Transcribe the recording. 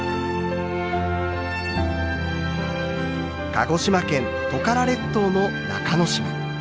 鹿児島県トカラ列島の中之島。